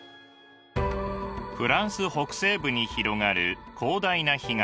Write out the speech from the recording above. フランス北西部に広がる広大な干潟。